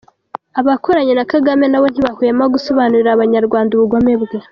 Abakoranye na Kagame nabo ntibahwema gusobanurira abanyarwanda ubugome bwe!